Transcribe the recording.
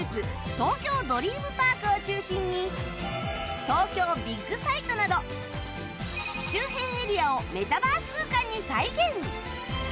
東京ドリームパークを中心に東京ビッグサイトなど周辺エリアをメタバース空間に再現！